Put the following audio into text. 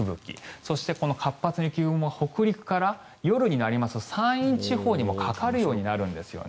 そして活発な雪雲は北陸から夜になりますと山陰地方にもかかるようになるんですね。